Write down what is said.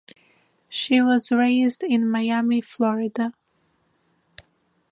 She was raised in Miami, Florida.